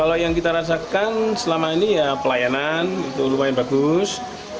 kalau yang kita rasakan selama ini ya pelayanan itu lumayan bagus